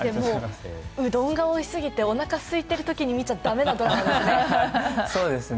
うどんがおいしすぎて、おなか空いているときに見ちゃだめですね。